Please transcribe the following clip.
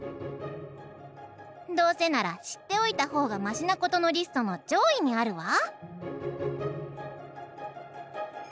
「『どうせなら知っておいた方がましなこと』のリストの上位にあるわ」。